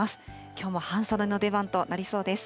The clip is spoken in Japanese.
きょうも半袖の出番となりそうです。